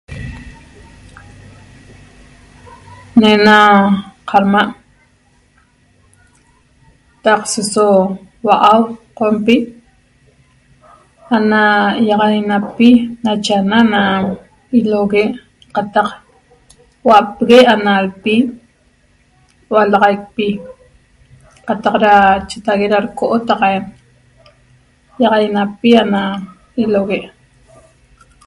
Nena camaa' taq seso hua'u qompi ana iaxanapi nache ana na ilohogue cataq huapegue ana alpi dalaxaiqpi cataq da chetaague da rocoo taqa'en yaxanaxaqpi na ilohogue